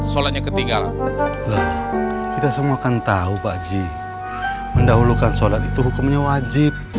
sholatnya ketinggalan kita semua kan tahu baji mendahulukan sholat itu hukumnya wajib